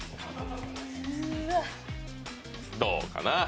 どうかな？